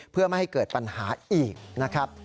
เพื่อไม่ให้เกิดปัญหาอีกนะครับ